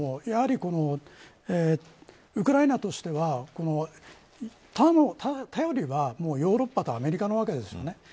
やはり、ウクライナとしては頼りはもうヨーロッパとアメリカなわけです。